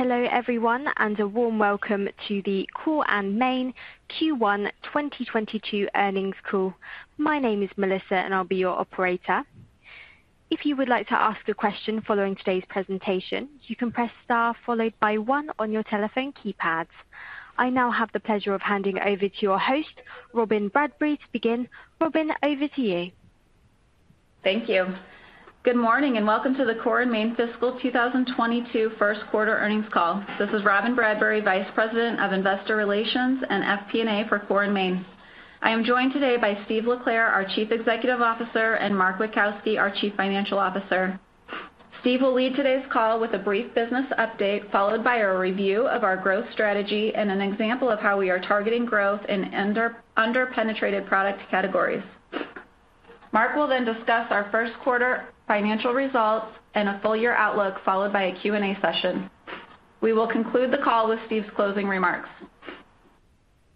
Hello, everyone and a warm welcome to the Core & Main Q1 2022 earnings call. My name is Melissa and I'll be your operator. If you would like to ask a question following today's presentation, you can press star followed by one on your telephone keypads. I now have the pleasure of handing over to your host, Robyn Bradbury, to begin. Robyn over to you. Thank you. Good morning and welcome to the Core & Main fiscal 2022 first quarter earnings call. This is Robyn Bradbury, Vice President of Investor Relations and FP&A for Core & Main. I am joined today by Steve LeClair, our Chief Executive Officer, and Mark Witkowski, our Chief Financial Officer. Steve will lead today's call with a brief business update followed by a review of our growth strategy and an example of how we are targeting growth in underpenetrated product categories. Mark will then discuss our first quarter financial results and a full year outlook followed by a Q&A session. We will conclude the call with Steve's closing remarks.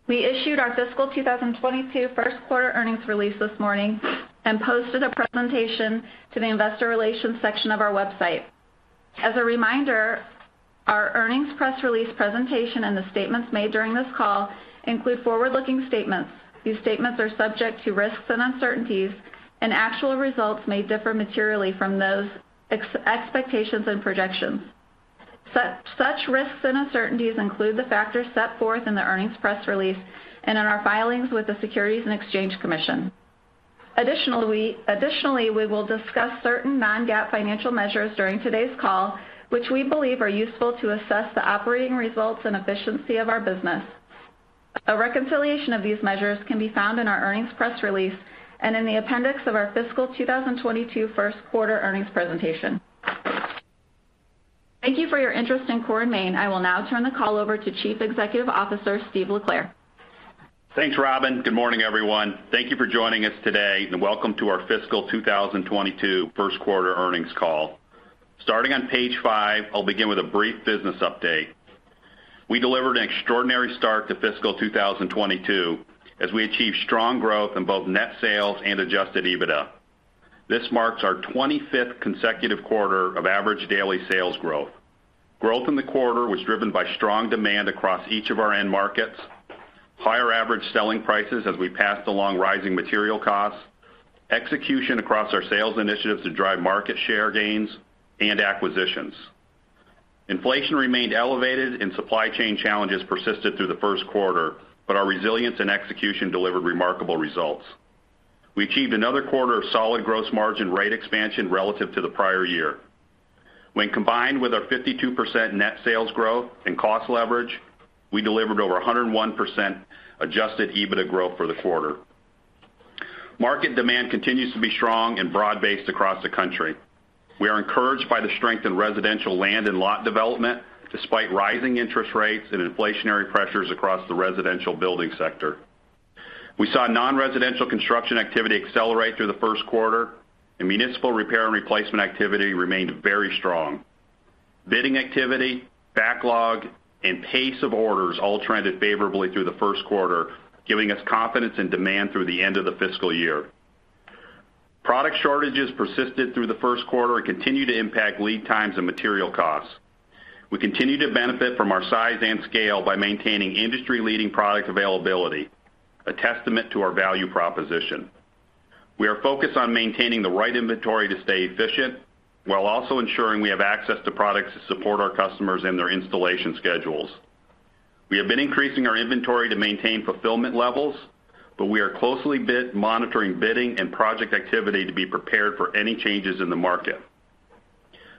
We issued our fiscal 2022 first quarter earnings release this morning and posted a presentation to the investor relations section of our website. As a reminder, our earnings press release presentation and the statements made during this call include forward-looking statements. These statements are subject to risks and uncertainties and actual results may differ materially from those expectations and projections. Such risks and uncertainties include the factors set forth in the earnings press release and in our filings with the Securities and Exchange Commission. Additionally, we will discuss certain non-GAAP financial measures during today's call which we believe are useful to assess the operating results and efficiency of our business. A reconciliation of these measures can be found in our earnings press release and in the appendix of our fiscal 2022 first quarter earnings presentation. Thank you for your interest in Core & Main. I will now turn the call over to Chief Executive Officer, Steve LeClair. Thanks, Robyn. Good morning, everyone. Thank you for joining us today, and welcome to our fiscal 2022 first quarter earnings call. Starting on page five, I'll begin with a brief business update. We delivered an extraordinary start to fiscal 2022 as we achieved strong growth in both net sales and adjusted EBITDA. This marks our 25th consecutive quarter of average daily sales growth. Growth in the quarter was driven by strong demand across each of our end markets, higher average selling prices as we passed along rising material costs, execution across our sales initiatives to drive market share gains, and acquisitions. Inflation remained elevated and supply chain challenges persisted through the first quarter but our resilience and execution delivered remarkable results. We achieved another quarter of solid gross margin rate expansion relative to the prior year. When combined with our 52% net sales growth and cost leverage, we delivered over 101% adjusted EBITDA growth for the quarter. Market demand continues to be strong and broad-based across the country. We are encouraged by the strength in residential land and lot development, despite rising interest rates and inflationary pressures across the residential building sector. We saw non-residential construction activity accelerate through the first quarter and municipal repair and replacement activity remained very strong. Bidding activity, backlog, and pace of orders all trended favorably through the first quarter, giving us confidence in demand through the end of the fiscal year. Product shortages persisted through the first quarter and continue to impact lead times and material costs. We continue to benefit from our size and scale by maintaining industry-leading product availability, a testament to our value proposition. We are focused on maintaining the right inventory to stay efficient while also ensuring we have access to products to support our customers and their installation schedules. We have been increasing our inventory to maintain fulfillment levels but we are closely monitoring bidding and project activity to be prepared for any changes in the market.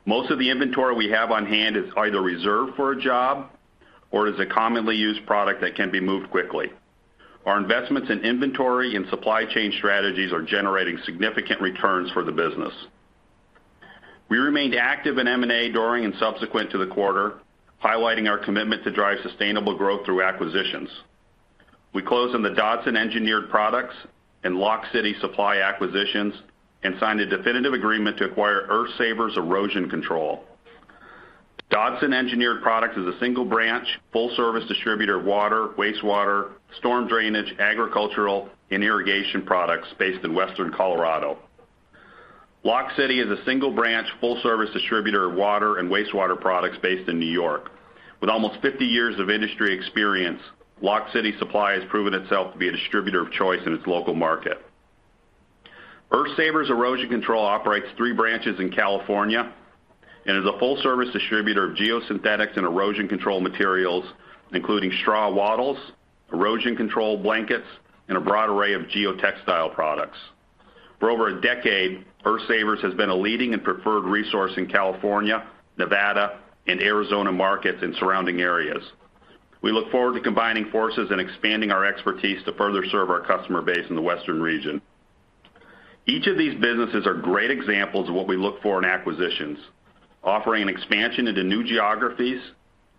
Most of the inventory we have on hand is either reserved for a job or is a commonly used product that can be moved quickly. Our investments in inventory and supply chain strategies are generating significant returns for the business. We remained active in M&A during and subsequent to the quarter, highlighting our commitment to drive sustainable growth through acquisitions. We closed on the Dodson Engineered Products and Lock City Supply acquisitions and signed a definitive agreement to acquire Earthsavers Erosion Control. Dodson Engineered Products is a single-branch, full-service distributor of water, wastewater, storm drainage, agricultural, and irrigation products based in western Colorado. Lock City is a single-branch, full-service distributor of water and wastewater products based in New York. With almost 50 years of industry experience, Lock City Supply has proven itself to be a distributor of choice in its local market. Earthsavers Erosion Control operates three branches in California and is a full-service distributor of geosynthetics and erosion control materials, including straw wattles, erosion control blankets, and a broad array of geotextile products. For over a decade, Earthsavers has been a leading and preferred resource in California, Nevada, and Arizona markets and surrounding areas. We look forward to combining forces and expanding our expertise to further serve our customer base in the western region. Each of these businesses are great examples of what we look for in acquisitions, offering an expansion into new geographies,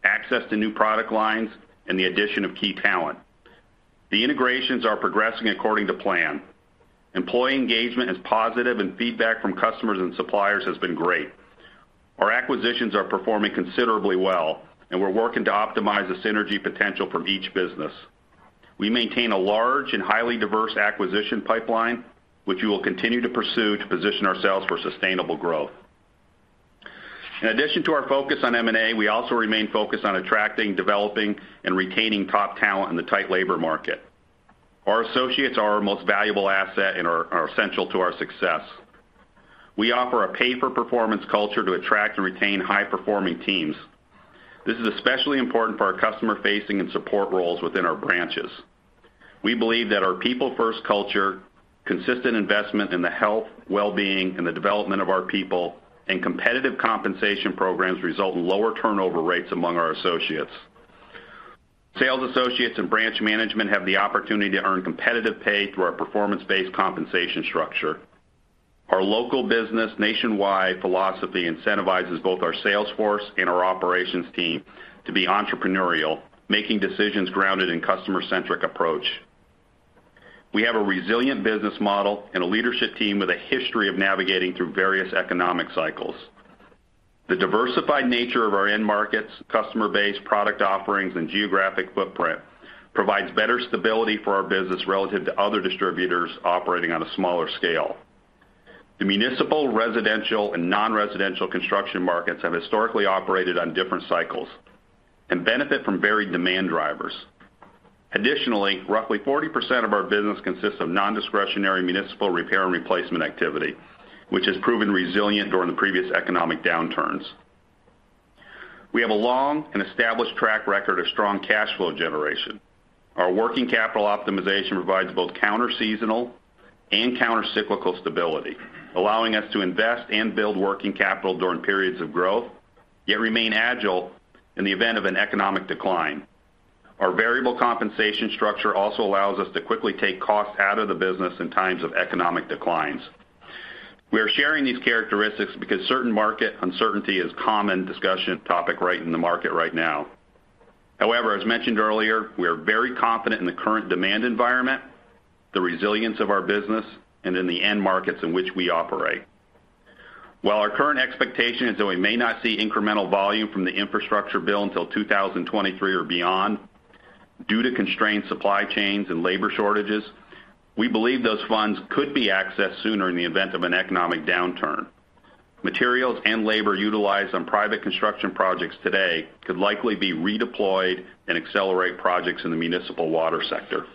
access to new product lines, and the addition of key talent. The integrations are progressing according to plan. Employee engagement is positive and feedback from customers and suppliers has been great. Our acquisitions are performing considerably well and we're working to optimize the synergy potential from each business. We maintain a large and highly diverse acquisition pipeline which we will continue to pursue to position ourselves for sustainable growth. In addition to our focus on M&A, we also remain focused on attracting, developing, and retaining top talent in the tight labor market. Our associates are our most valuable asset and are essential to our success. We offer a pay-for-performance culture to attract and retain high-performing teams. This is especially important for our customer-facing and support roles within our branches. We believe that our people-first culture, consistent investment in the health, well-being, and the development of our people, and competitive compensation programs result in lower turnover rates among our associates. Sales associates and branch management have the opportunity to earn competitive pay through our performance-based compensation structure. Our local business nationwide philosophy incentivizes both our sales force and our operations team to be entrepreneurial, making decisions grounded in customer-centric approach. We have a resilient business model and a leadership team with a history of navigating through various economic cycles. The diversified nature of our end markets, customer base, product offerings, and geographic footprint provides better stability for our business relative to other distributors operating on a smaller scale. The municipal, residential, and non-residential construction markets have historically operated on different cycles and benefit from varied demand drivers. Roughly 40% of our business consists of non-discretionary municipal repair and replacement activity which has proven resilient during the previous economic downturns. We have a long and established track record of strong cash flow generation. Our working capital optimization provides both counterseasonal and countercyclical stability, allowing us to invest and build working capital during periods of growth, yet remain agile in the event of an economic decline. Our variable compensation structure also allows us to quickly take costs out of the business in times of economic declines. We are sharing these characteristics because certain market uncertainty is common discussion topic right in the market right now. However, as mentioned earlier, we are very confident in the current demand environment, the resilience of our business, and in the end markets in which we operate. While our current expectation is that we may not see incremental volume from the infrastructure bill until 2023 or beyond due to constrained supply chains and labor shortages, we believe those funds could be accessed sooner in the event of an economic downturn. Materials and labor utilized on private construction projects today could likely be redeployed and accelerate projects in the municipal water sector.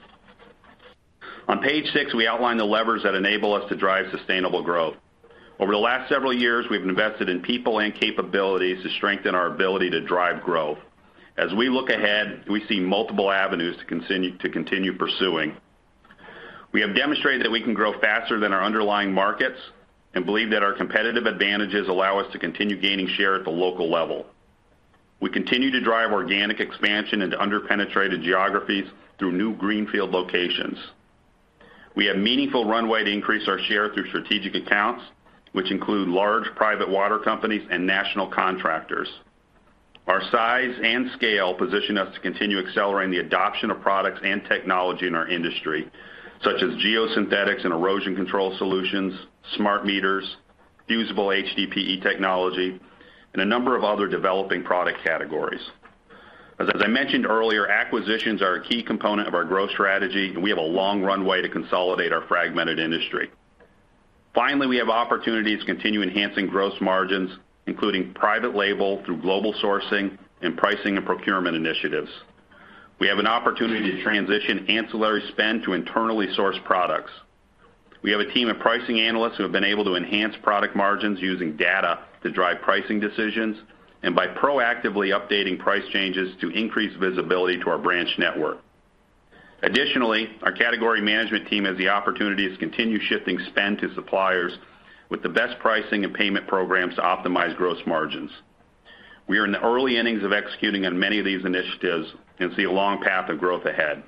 On page six, we outline the levers that enable us to drive sustainable growth. Over the last several years, we've invested in people and capabilities to strengthen our ability to drive growth. As we look ahead, we see multiple avenues to continue pursuing. We have demonstrated that we can grow faster than our underlying markets and believe that our competitive advantages allow us to continue gaining share at the local level. We continue to drive organic expansion into under-penetrated geographies through new greenfield locations. We have meaningful runway to increase our share through strategic accounts which include large private water companies and national contractors. Our size and scale position us to continue accelerating the adoption of products and technology in our industry, such as geosynthetics and erosion control solutions, smart meters, fusible HDPE technology, and a number of other developing product categories. As I mentioned earlier, acquisitions are a key component of our growth strategy and we have a long runway to consolidate our fragmented industry. Finally, we have opportunities to continue enhancing gross margins, including private label through global sourcing and pricing and procurement initiatives. We have an opportunity to transition ancillary spend to internally sourced products. We have a team of pricing analysts who have been able to enhance product margins using data to drive pricing decisions and by proactively updating price changes to increase visibility to our branch network. Additionally, our category management team has the opportunities to continue shifting spend to suppliers with the best pricing and payment programs to optimize gross margins. We are in the early innings of executing on many of these initiatives and see a long path of growth ahead.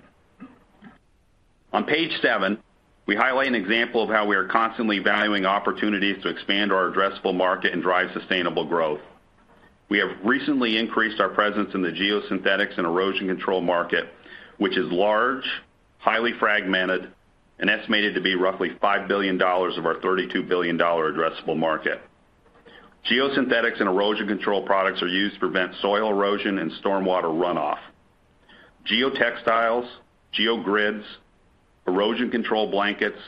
On page seven, we highlight an example of how we are constantly valuing opportunities to expand our addressable market and drive sustainable growth. We have recently increased our presence in the geosynthetics and erosion control market which is large, highly fragmented, and estimated to be roughly $5 billion of our $32 billion addressable market. Geosynthetics and erosion control products are used to prevent soil erosion and stormwater runoff. Geotextiles, geogrids, erosion control blankets,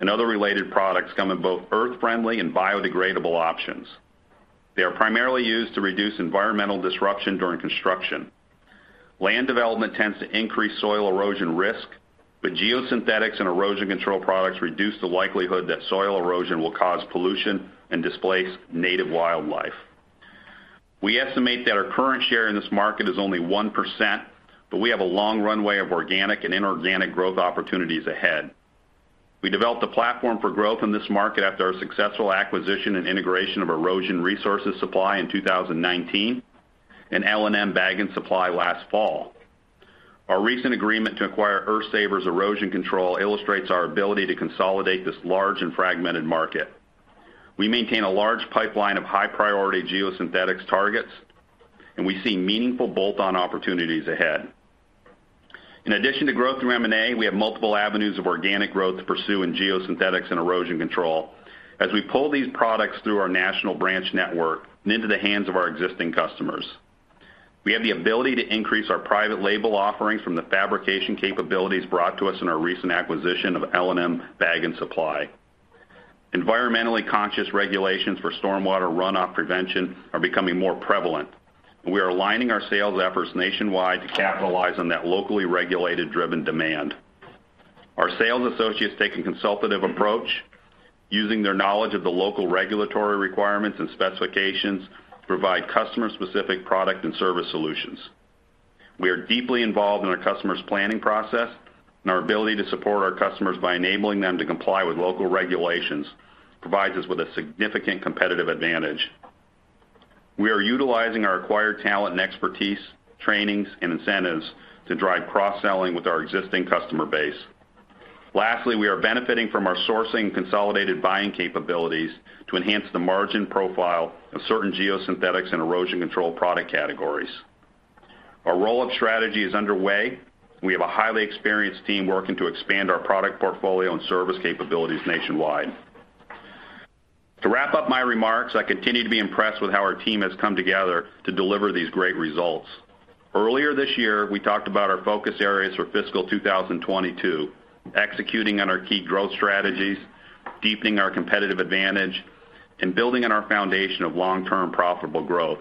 and other related products come in both earth-friendly and biodegradable options. They are primarily used to reduce environmental disruption during construction. Land development tends to increase soil erosion risk, but geosynthetics and erosion control products reduce the likelihood that soil erosion will cause pollution and displace native wildlife. We estimate that our current share in this market is only 1% but we have a long runway of organic and inorganic growth opportunities ahead. We developed a platform for growth in this market after our successful acquisition and integration of Erosion Resources Supply in 2019 and L & M Bag & Supply last fall. Our recent agreement to acquire Earthsavers Erosion Control illustrates our ability to consolidate this large and fragmented market. We maintain a large pipeline of high-priority geosynthetics targets and we see meaningful bolt-on opportunities ahead. In addition to growth through M&A, we have multiple avenues of organic growth to pursue in geosynthetics and erosion control as we pull these products through our national branch network and into the hands of our existing customers. We have the ability to increase our private label offerings from the fabrication capabilities brought to us in our recent acquisition of L & M Bag & Supply. Environmentally conscious regulations for stormwater runoff prevention are becoming more prevalent. We are aligning our sales efforts nationwide to capitalize on that locally regulated driven demand. Our sales associates take a consultative approach using their knowledge of the local regulatory requirements and specifications to provide customer-specific product and service solutions. We are deeply involved in our customer's planning process and our ability to support our customers by enabling them to comply with local regulations provides us with a significant competitive advantage. We are utilizing our acquired talent and expertise, trainings, and incentives to drive cross-selling with our existing customer base. Lastly, we are benefiting from our sourcing consolidated buying capabilities to enhance the margin profile of certain geosynthetics and erosion control product categories. Our roll-up strategy is underway. We have a highly experienced team working to expand our product portfolio and service capabilities nationwide. To wrap up my remarks, I continue to be impressed with how our team has come together to deliver these great results. Earlier this year, we talked about our focus areas for fiscal 2022, executing on our key growth strategies, deepening our competitive advantage, and building on our foundation of long-term profitable growth.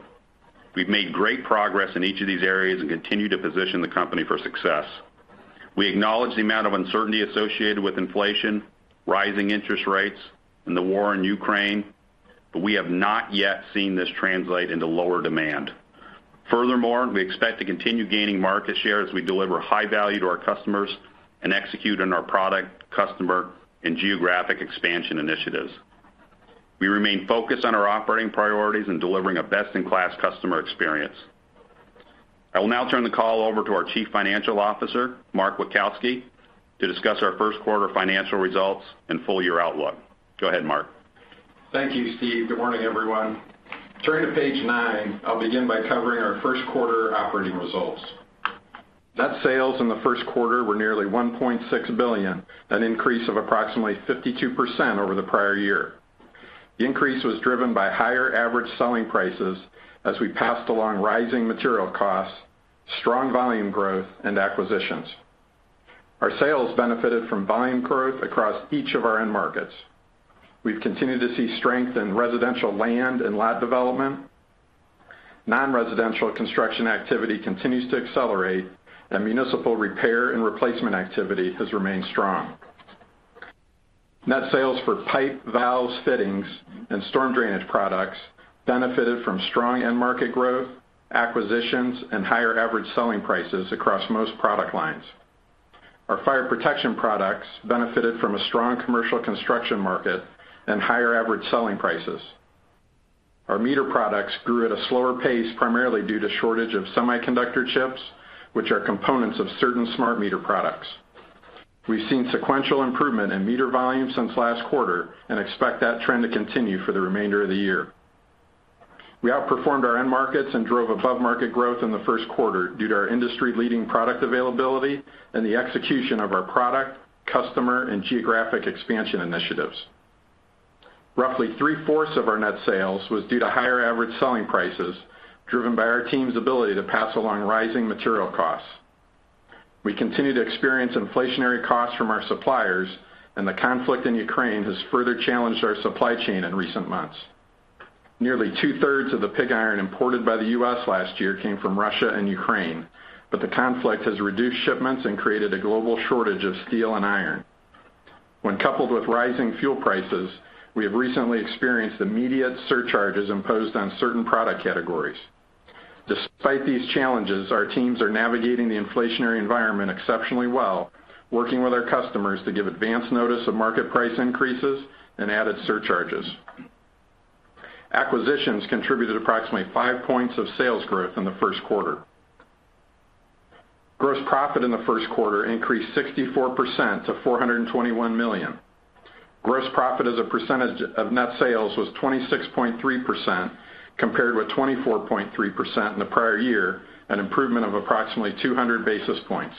We've made great progress in each of these areas and continue to position the company for success. We acknowledge the amount of uncertainty associated with inflation, rising interest rates, and the war in Ukraine but we have not yet seen this translate into lower demand. Furthermore, we expect to continue gaining market share as we deliver high value to our customers and execute on our product, customer, and geographic expansion initiatives. We remain focused on our operating priorities and delivering a best-in-class customer experience. I will now turn the call over to our Chief Financial Officer, Mark Witkowski to discuss our first quarter financial results and full year outlook. Go ahead, Mark. Thank you, Steve. Good morning, everyone. Turning to page nine, I'll begin by covering our first quarter operating results. Net sales in the first quarter were nearly $1.6 billion, an increase of approximately 52% over the prior year. The increase was driven by higher average selling prices as we passed along rising material costs, strong volume growth, and acquisitions. Our sales benefited from volume growth across each of our end markets. We've continued to see strength in residential land and lot development. Non-residential construction activity continues to accelerate and municipal repair and replacement activity has remained strong. Net sales for pipe, valves, fittings, and storm drainage products benefited from strong end market growth, acquisitions, and higher average selling prices across most product lines. Our fire protection products benefited from a strong commercial construction market and higher average selling prices. Our meter products grew at a slower pace primarily due to shortage of semiconductor chips which are components of certain smart meter products. We've seen sequential improvement in meter volume since last quarter and expect that trend to continue for the remainder of the year. We outperformed our end markets and drove above-market growth in the first quarter due to our industry-leading product availability and the execution of our product, customer, and geographic expansion initiatives. Roughly 3/4 of our net sales was due to higher average selling prices, driven by our team's ability to pass along rising material costs. We continue to experience inflationary costs from our suppliers, and the conflict in Ukraine has further challenged our supply chain in recent months. Nearly 2/3 of the pig iron imported by the U.S. last year came from Russia and Ukraine but the conflict has reduced shipments and created a global shortage of steel and iron. When coupled with rising fuel prices, we have recently experienced immediate surcharges imposed on certain product categories. Despite these challenges, our teams are navigating the inflationary environment exceptionally well, working with our customers to give advance notice of market price increases and added surcharges. Acquisitions contributed approximately five points of sales growth in the first quarter. Gross profit in the first quarter increased 64% to $421 million. Gross profit as a percentage of net sales was 26.3% compared with 24.3% in the prior year, an improvement of approximately 200 basis points.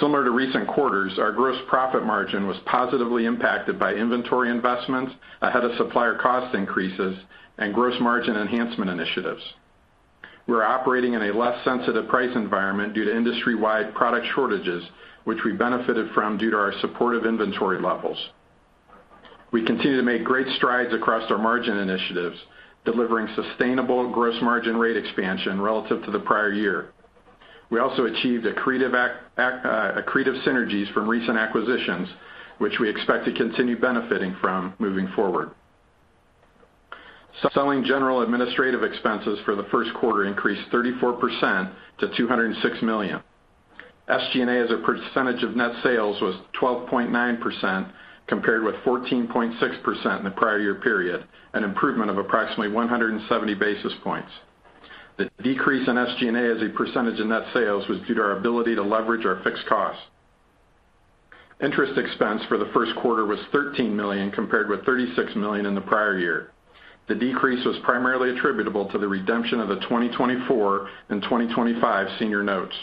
Similar to recent quarters, our gross profit margin was positively impacted by inventory investments ahead of supplier cost increases and gross margin enhancement initiatives. We're operating in a less sensitive price environment due to industry-wide product shortages which we benefited from due to our supportive inventory levels. We continue to make great strides across our margin initiatives, delivering sustainable gross margin rate expansion relative to the prior year. We also achieved accretive synergies from recent acquisitions which we expect to continue benefiting from moving forward. Selling general administrative expenses for the first quarter increased 34% to $206 million. SG&A as a percentage of net sales was 12.9% compared with 14.6% in the prior year period, an improvement of approximately 170 basis points. The decrease in SG&A as a percentage of net sales was due to our ability to leverage our fixed costs. Interest expense for the first quarter was $13 million compared with $36 million in the prior year. The decrease was primarily attributable to the redemption of the 2024 and 2025 senior notes.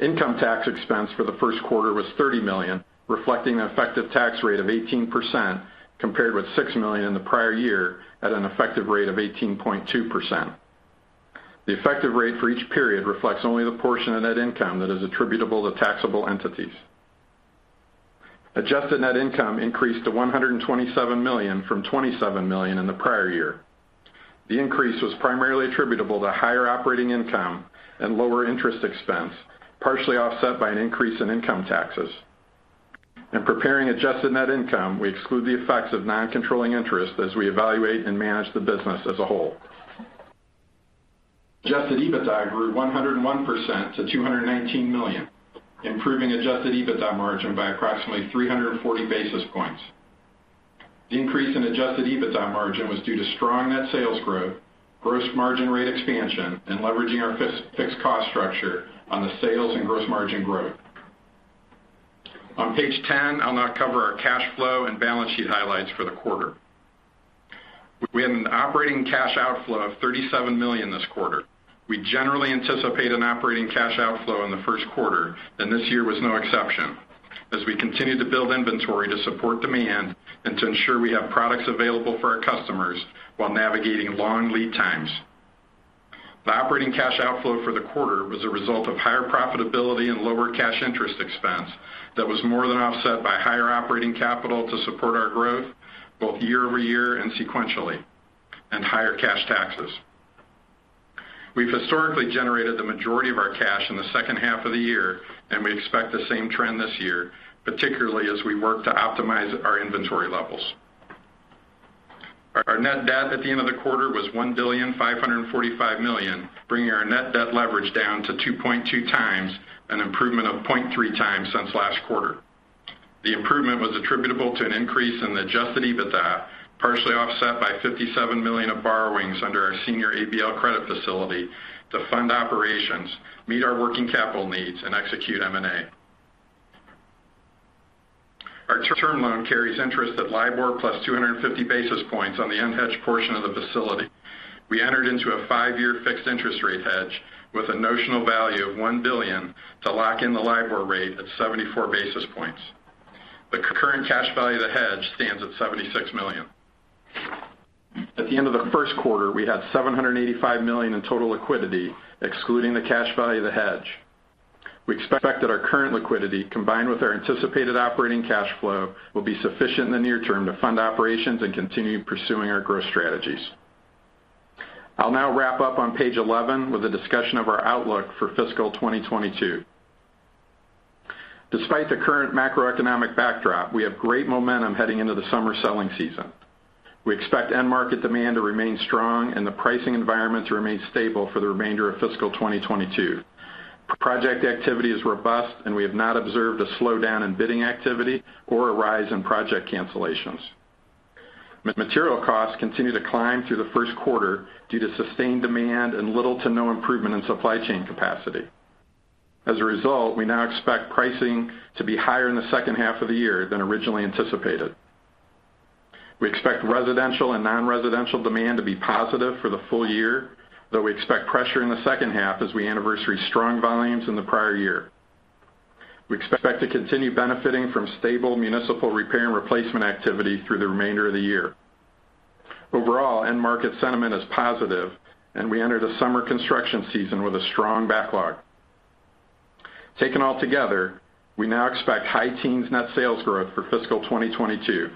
Income tax expense for the first quarter was $30 million, reflecting an effective tax rate of 18% compared with $6 million in the prior year at an effective rate of 18.2%. The effective rate for each period reflects only the portion of net income that is attributable to taxable entities. Adjusted net income increased to $127 million from $27 million in the prior year. The increase was primarily attributable to higher operating income and lower interest expense, partially offset by an increase in income taxes. In preparing adjusted net income, we exclude the effects of non-controlling interest as we evaluate and manage the business as a whole. Adjusted EBITDA grew 101% to $219 million, improving adjusted EBITDA margin by approximately 340 basis points. The increase in adjusted EBITDA margin was due to strong net sales growth, gross margin rate expansion, and leveraging our fixed cost structure on the sales and gross margin growth. On page 10, I'll now cover our cash flow and balance sheet highlights for the quarter. We had an operating cash outflow of $37 million this quarter. We generally anticipate an operating cash outflow in the first quarter and this year was no exception, as we continued to build inventory to support demand and to ensure we have products available for our customers while navigating long lead times. The operating cash outflow for the quarter was a result of higher profitability and lower cash interest expense that was more than offset by higher operating capital to support our growth both year-over-year and sequentially and higher cash taxes. We've historically generated the majority of our cash in the second half of the year, and we expect the same trend this year, particularly as we work to optimize our inventory levels. Our net debt at the end of the quarter was $1.545 billion, bringing our net debt leverage down to 2.2x, an improvement of 0.3x since last quarter. The improvement was attributable to an increase in adjusted EBITDA partially offset by $57 million of borrowings under our senior ABL credit facility to fund operations, meet our working capital needs, and execute M&A. Our term loan carries interest at LIBOR plus 250 basis points on the unhedged portion of the facility. We entered into a five-year fixed interest rate hedge with a notional value of $1 billion to lock in the LIBOR rate at 74 basis points. The current cash value of the hedge stands at $76 million. At the end of the first quarter, we had $785 million in total liquidity, excluding the cash value of the hedge. We expect that our current liquidity, combined with our anticipated operating cash flow, will be sufficient in the near term to fund operations and continue pursuing our growth strategies. I'll now wrap up on page 11 with a discussion of our outlook for fiscal 2022. Despite the current macroeconomic backdrop, we have great momentum heading into the summer selling season. We expect end market demand to remain strong and the pricing environment to remain stable for the remainder of fiscal 2022. Project activity is robust and we have not observed a slowdown in bidding activity or a rise in project cancellations. Material costs continued to climb through the first quarter due to sustained demand and little to no improvement in supply chain capacity. As a result, we now expect pricing to be higher in the second half of the year than originally anticipated. We expect residential and non-residential demand to be positive for the full year, though we expect pressure in the second half as we anniversary strong volumes in the prior year. We expect to continue benefiting from stable municipal repair and replacement activity through the remainder of the year. Overall, end market sentiment is positive, and we enter the summer construction season with a strong backlog. Taken altogether, we now expect high teens net sales growth for fiscal 2022,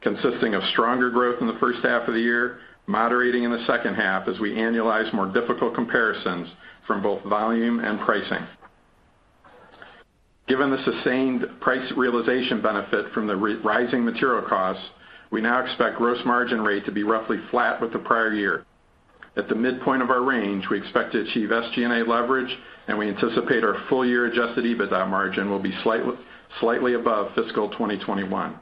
consisting of stronger growth in the first half of the year, moderating in the second half as we annualize more difficult comparisons from both volume and pricing. Given the sustained price realization benefit from the rising material costs, we now expect gross margin rate to be roughly flat with the prior year. At the midpoint of our range, we expect to achieve SG&A leverage, and we anticipate our full-year adjusted EBITDA margin will be slightly above fiscal 2021.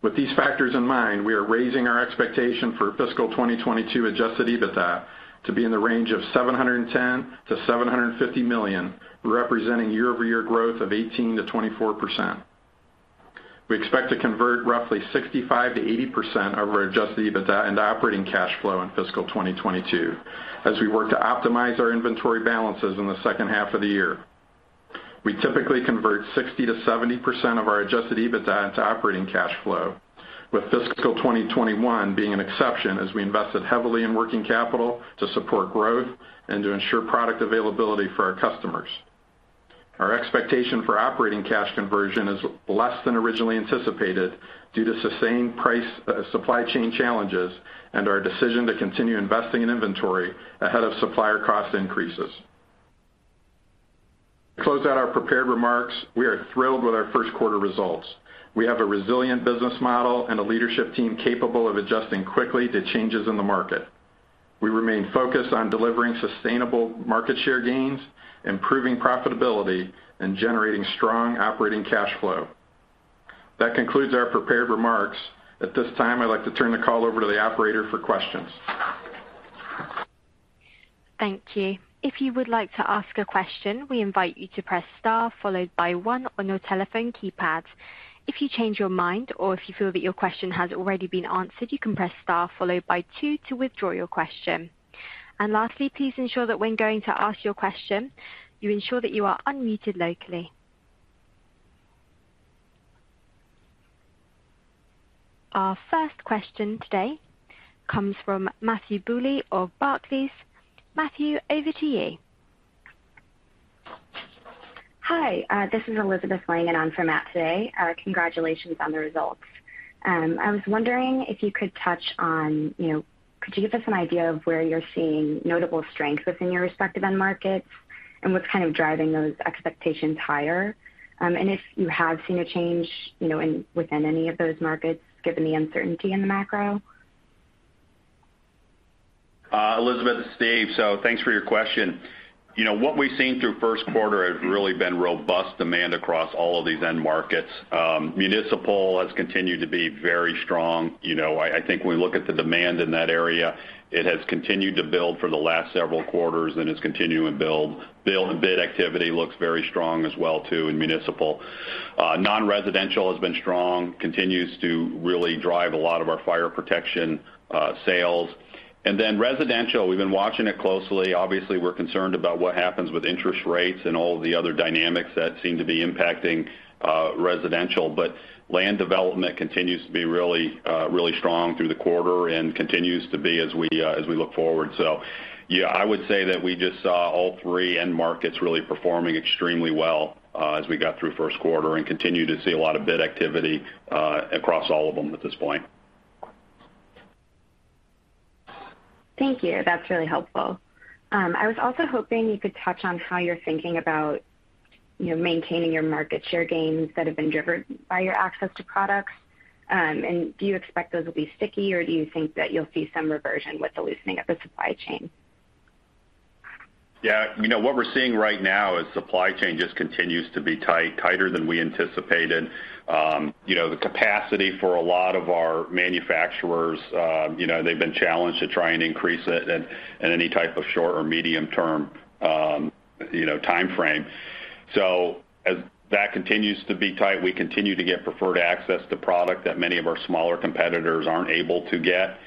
With these factors in mind, we are raising our expectation for fiscal 2022 adjusted EBITDA to be in the range of $710 million-$750 million, representing year-over-year growth of 18%-24%. We expect to convert roughly 65%-80% of our adjusted EBITDA into operating cash flow in fiscal 2022 as we work to optimize our inventory balances in the second half of the year. We typically convert 60%-70% of our adjusted EBITDA into operating cash flow with fiscal 2021 being an exception as we invested heavily in working capital to support growth and to ensure product availability for our customers. Our expectation for operating cash conversion is less than originally anticipated due to sustained price, supply chain challenges, and our decision to continue investing in inventory ahead of supplier cost increases. To close out our prepared remarks, we are thrilled with our first quarter results. We have a resilient business model and a leadership team capable of adjusting quickly to changes in the market. We remain focused on delivering sustainable market share gains, improving profitability, and generating strong operating cash flow. That concludes our prepared remarks. At this time, I'd like to turn the call over to the operator for questions. Thank you. If you would like to ask a question, we invite you to press star followed by one on your telephone keypad. If you change your mind or if you feel that your question has already been answered, you can press star followed by two to withdraw your question. Lastly, please ensure that when going to ask your question, you ensure that you are unmuted locally. Our first question today comes from Matthew Bouley of Barclays. Matthew, over to you. Hi, this is Elizabeth Langan and on for Matt today. Congratulations on the results. I was wondering if you could touch on, you know, could you give us an idea of where you're seeing notable strength within your respective end markets and what's kind of driving those expectations higher? If you have seen a change, you know, within any of those markets, given the uncertainty in the macro. Elizabeth, Steve. Thanks for your question. You know, what we've seen through first quarter has really been robust demand across all of these end markets. Municipal has continued to be very strong. You know, I think when we look at the demand in that area, it has continued to build for the last several quarters and is continuing to build. Build and bid activity looks very strong as well too, in municipal. Non-residential has been strong, continues to really drive a lot of our fire protection sales. Then residential, we've been watching it closely. Obviously, we're concerned about what happens with interest rates and all of the other dynamics that seem to be impacting residential. Land development continues to be really strong through the quarter and continues to be as we look forward. Yeah, I would say that we just saw all three end markets really performing extremely well as we got through first quarter and continue to see a lot of bid activity across all of them at this point. Thank you. That's really helpful. I was also hoping you could touch on how you're thinking about, you know, maintaining your market share gains that have been driven by your access to products. Do you expect those will be sticky, or do you think that you'll see some reversion with the loosening of the supply chain? Yeah. You know, what we're seeing right now is supply chain just continues to be tight, tighter than we anticipated. You know, the capacity for a lot of our manufacturers, you know, they've been challenged to try and increase it at any type of short or medium term, you know, timeframe. So as that continues to be tight, we continue to get preferred access to product that many of our smaller competitors aren't able to get.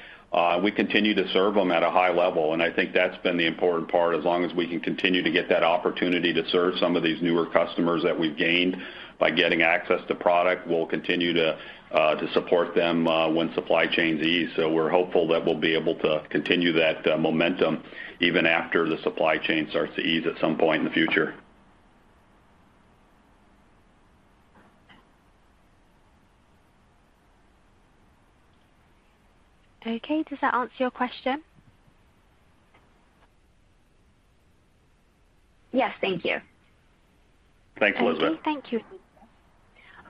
We continue to serve them at a high level and I think that's been the important part. As long as we can continue to get that opportunity to serve some of these newer customers that we've gained by getting access to product, we'll continue to support them when supply chain ease. We're hopeful that we'll be able to continue that momentum even after the supply chain starts to ease at some point in the future. Okay. Does that answer your question? Yes. Thank you. Thanks, Elizabeth. Okay. Thank you.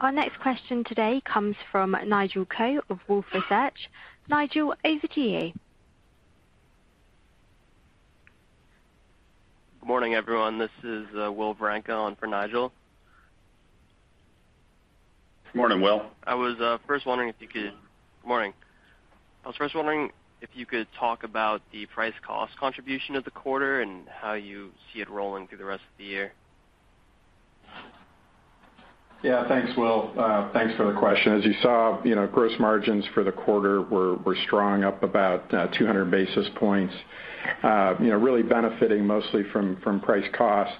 Our next question today comes from Nigel Coe of Wolfe Research. Nigel, over to you. Good morning, everyone. This is William Vranka on for Nigel. Morning, Will. Good morning. I was first wondering if you could talk about the price cost contribution of the quarter and how you see it rolling through the rest of the year? Yeah. Thanks, Will. Thanks for the question. As you saw, you know, gross margins for the quarter were strong, up about 200 basis points. You know, really benefiting mostly from price-cost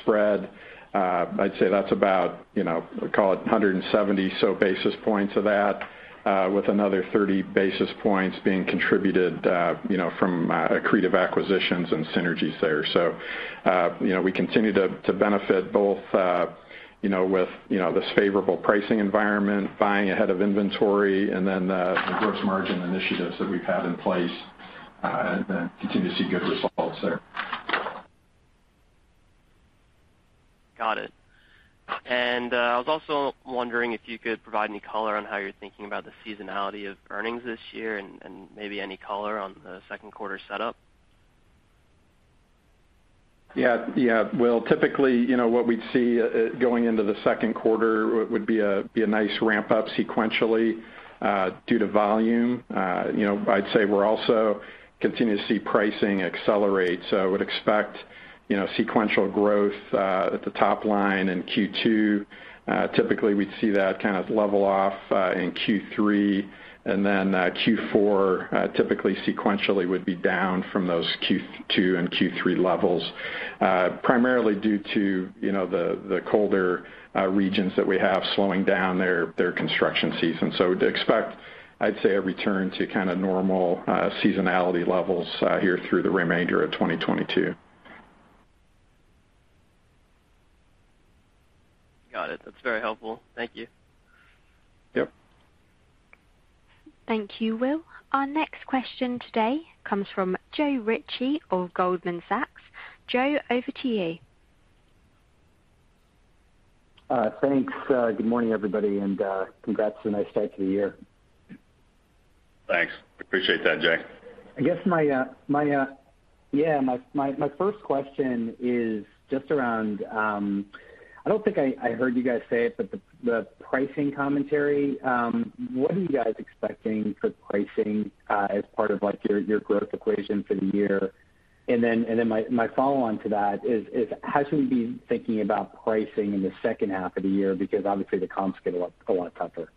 spread. I'd say that's about, you know, call it 170 or so basis points of that with another 30 basis points being contributed, you know, from accretive acquisitions and synergies there. You know, we continue to benefit both, you know, with this favorable pricing environment, buying ahead of inventory, and then the gross margin initiatives that we've had in place, and continue to see good results there. Got it. I was also wondering if you could provide any color on how you're thinking about the seasonality of earnings this year and maybe any color on the second quarter setup? Will, typically, you know, what we'd see going into the second quarter would be a nice ramp-up sequentially due to volume. You know, I'd say we're also continuing to see pricing accelerate. I would expect, you know, sequential growth at the top line in Q2. Typically, we'd see that kind of level off in Q3, Q4 typically sequentially would be down from those Q2 and Q3 levels, primarily due to, you know, the colder regions that we have slowing down their construction season. We'd expect, I'd say a return to kind of normal seasonality levels here through the remainder of 2022. Got it, that's very helpful. Thank you. Yep. Thank you, Will. Our next question today comes from Joe Ritchie of Goldman Sachs. Joe, over to you. Thanks. Good morning, everybody and congrats on a nice start to the year. Thanks. Appreciate that, Joe. I guess my first question is just around. I don't think I heard you guys say it, but the pricing commentary. What are you guys expecting for pricing as part of, like, your growth equation for the year? My follow-on to that is how should we be thinking about pricing in the second half of the year? Because obviously the comps get a lot tougher.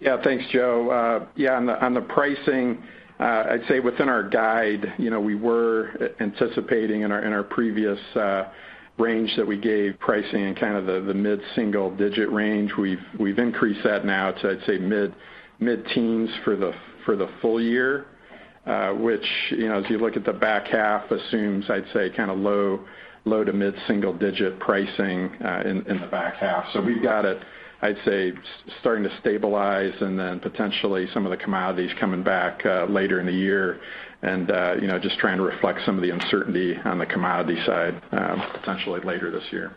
Yeah. Thanks, Joe. Yeah, on the pricing, I'd say within our guide, you know, we were anticipating in our previous range that we gave pricing in kind of the mid-single-digit range. We've increased that now to, I'd say, mid-teens for the full year. Which, you know, as you look at the back half assumes, I'd say, kind of low- to mid-single-digit pricing in the back half. So we've got it, I'd say, starting to stabilize and then potentially some of the commodities coming back later in the year. You know, just trying to reflect some of the uncertainty on the commodity side potentially later this year.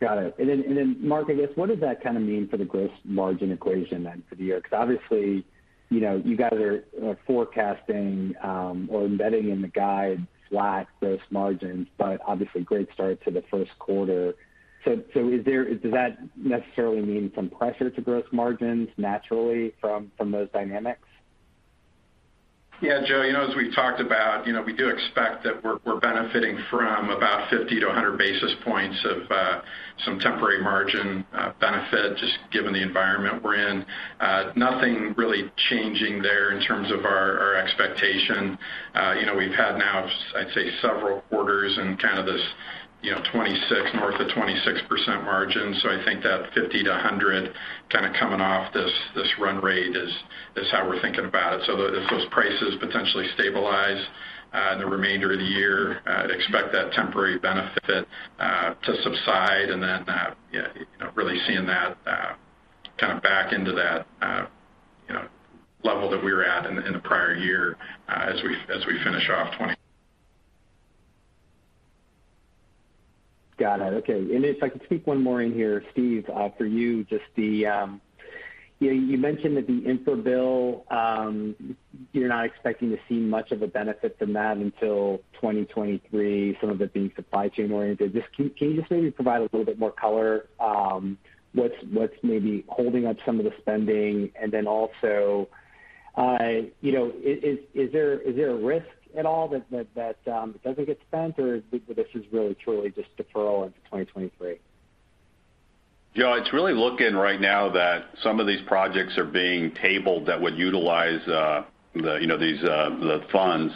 Got it. Mark, I guess, what does that kind of mean for the gross margin equation then for the year? Because obviously, you know, you guys are forecasting or embedding in the guide flat gross margins but obviously great start to the first quarter. Is there, does that necessarily mean some pressure to gross margins naturally from those dynamics? Yeah, Joe, you know, as we've talked about, you know, we do expect that we're benefiting from about 50 to 100 basis points of some temporary margin benefit just given the environment we're in. Nothing really changing there in terms of our expectation. You know, we've had now I'd say several quarters in kind of this, you know, 26, north of 26% margin. I think that 50 to 100 kind of coming off this run rate is how we're thinking about it. As those prices potentially stabilize the remainder of the year, I'd expect that temporary benefit to subside and then, you know, really seeing that kind of back into that, you know, level that we were at in the prior year as we finish off 2022. Got it. Okay. If I could sneak one more in here. Steve, for you, just, you know, you mentioned that the infra bill, you're not expecting to see much of a benefit from that until 2023, some of it being supply chain-oriented. Just, can you just maybe provide a little bit more color on what's maybe holding up some of the spending? Then also, you know, is there a risk at all that it doesn't get spent or this is really truly just deferral into 2023? Joe, it's really looking right now that some of these projects are being tabled that would utilize the funds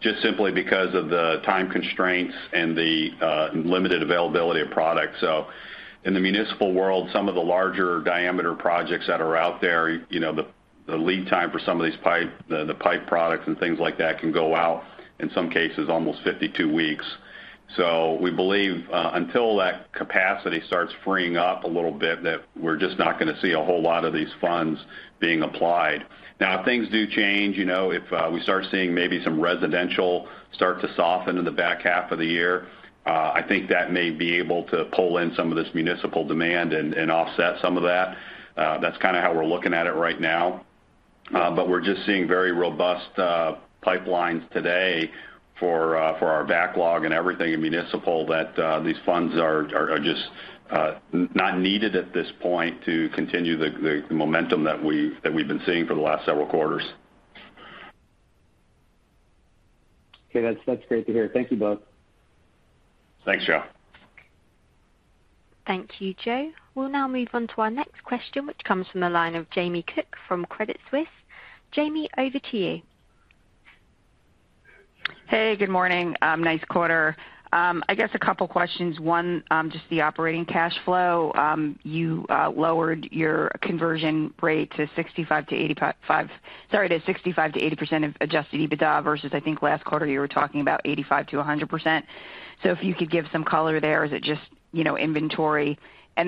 just simply because of the time constraints and the limited availability of product. In the municipal world, some of the larger diameter projects that are out there, you know, the lead time for some of these pipe products and things like that can go out in some cases almost 52 weeks. We believe until that capacity starts freeing up a little bit, that we're just not gonna see a whole lot of these funds being applied. Now if things do change, you know, if we start seeing maybe some residential start to soften in the back half of the year, I think that may be able to pull in some of this municipal demand and offset some of that. That's kind of how we're looking at it right now. We're just seeing very robust pipelines today for our backlog and everything in municipal that these funds are just not needed at this point to continue the momentum that we've been seeing for the last several quarters. Okay that's great to hear. Thank you both. Thanks, Joe. Thank you, Joe. We'll now move on to our next question which comes from the line of Jamie Cook from Credit Suisse. Jamie, over to you. Hey, good morning. Nice quarter. I guess a couple questions. One, just the operating cash flow. You lowered your conversion rate to 65%-85%. Sorry, to 65%-80% of adjusted EBITDA versus I think last quarter you were talking about 85%-100%. If you could give some color there. Is it just, you know, inventory?